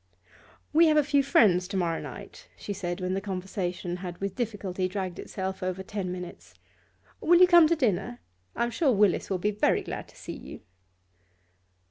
'We have a few friends to morrow night,' she said when the conversation had with difficulty dragged itself over ten minutes. 'Will you come to dinner? I'm sure Willis will be very glad to see you.